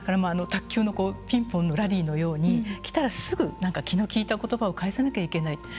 卓球のピンポンのラリーのように来たらすぐ何か気の利いた言葉を返さなきゃいけない。